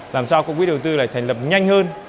làm sao các quỹ đầu tư lại thành lập nhanh hơn